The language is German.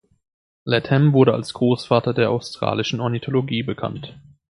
Latham wurde als „Großvater der australischen Ornithologie“ bekannt.